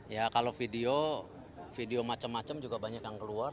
ya kalau video video macam macam juga banyak yang keluar